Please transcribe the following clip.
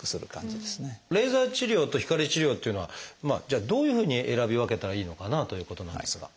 レーザー治療と光治療っていうのはじゃあどういうふうに選び分けたらいいのかなということなんですが。